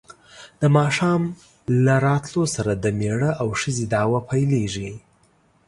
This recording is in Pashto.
د ماښام له راتلو سره د مېړه او ښځې دعوې پیلېږي.